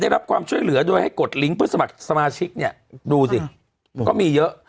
รับความช่วยเหลือโดยให้กดลิงก์เพื่อสมัครสมาชิกเนี่ยดูสิก็มีเยอะ